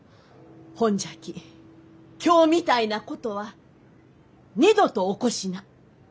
ほんじゃき今日みたいなことは二度と起こしな。